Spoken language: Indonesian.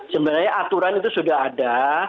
sebenarnya aturan itu sudah ada